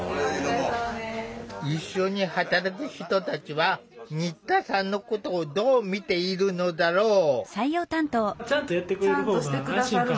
一緒に働く人たちは新田さんのことをどう見ているのだろう？